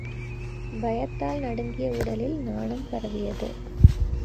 பயத்தால் நடுங்கிய உடலில் நாணம் பரவியது.